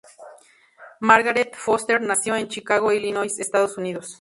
Margaret D. Foster nació en Chicago, Illinois, Estados Unidos.